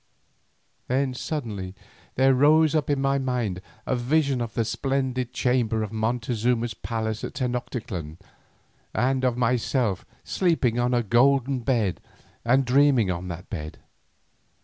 Then suddenly there rose up in my mind a vision of the splendid chamber in Montezuma's palace in Tenoctitlan, and of myself sleeping on a golden bed, and dreaming on that bed.